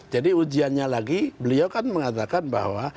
jadi ujiannya lagi beliau kan mengatakan bahwa